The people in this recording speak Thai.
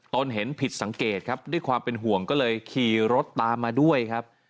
ตนเห็นผิดสังเกตครับด้วยความเป็นห่วงก็เลยขี่รถตามมาด้วยครับ